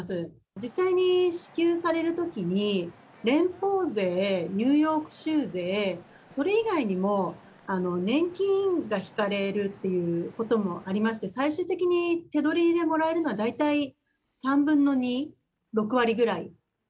実際に支給されるときに、連邦税、ニューヨーク州税、それ以外にも年金が引かれるっていうこともありまして、最終的に手取りでもらえるのは、大体３分の２、６割ぐらい。